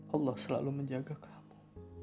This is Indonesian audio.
allah selalu menjaga kamu